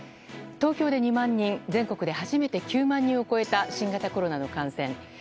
東京で２万人、全国で初めて９万人を超えた新型コロナの感染。